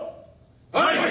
はい！